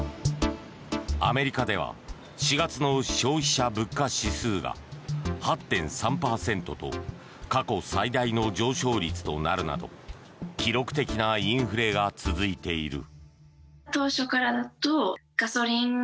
アメリカでは、４月の消費者物価指数が８．３％と過去最大の上昇率となるなど記録的なインフレが続いている。